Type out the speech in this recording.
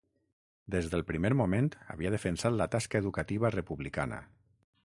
Des del primer moment havia defensat la tasca educativa republicana.